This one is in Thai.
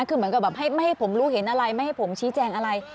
คือเหมือนกับแบบให้ไม่ให้ผมรู้เห็นอะไรไม่ให้ผมชี้แจงอะไร